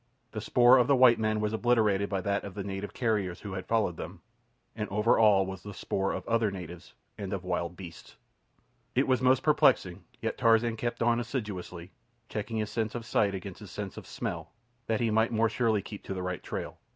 The spoor of the white men was obliterated by that of the native carriers who had followed them, and over all was the spoor of other natives and of wild beasts. It was most perplexing; yet Tarzan kept on assiduously, checking his sense of sight against his sense of smell, that he might more surely keep to the right trail.